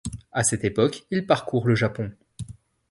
À cette époque il parcourt le Japon.